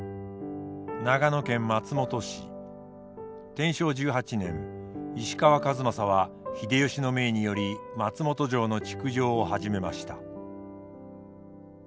天正１８年石川数正は秀吉の命により松本城の築城を始めました。